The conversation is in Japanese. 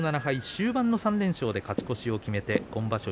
終盤の３連勝で勝ち越しを決めて今場所